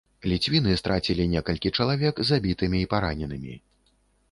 Ліцвіны страцілі некалькі чалавек забітымі і параненымі.